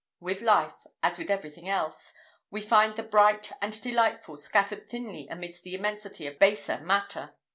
With life, as with everything else, we find the bright and delightful scattered thinly amidst an immensity of baser matter.